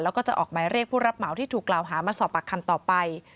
แล้วก็จะออกหมายเรียกผู้รับเหมาที่ถูกกล่าวหามาสอบปากคำต่อไป